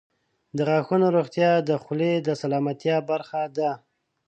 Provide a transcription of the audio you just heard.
• د غاښونو روغتیا د خولې د سلامتیا برخه ده.